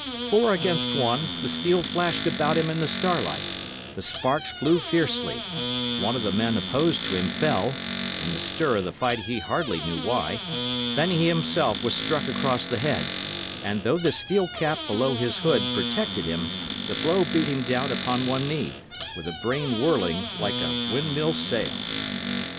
Four against one, the steel flashed about him in the starlight; the sparks flew fiercely; one of the men opposed to him fell in the stir of the fight he hardly knew why; then he himself was struck across the head, and though the steel cap below his hood protected him, the blow beat him down upon one knee, with a brain whirling like a windmill sail.